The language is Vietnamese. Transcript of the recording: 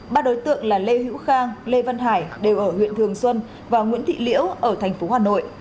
ba đối tượng là lê hữu khang lê văn hải đều ở huyện thường xuân và nguyễn thị liễu ở thành phố hà nội